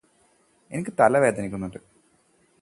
എനിക്ക് തല വേദനിക്കുന്നുണ്ട്